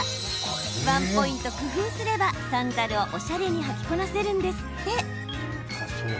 ワンポイント工夫すればサンダルをおしゃれに履きこなせるんですって。